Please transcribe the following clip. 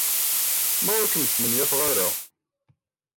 Ma ur kem-smenyafeɣ ara.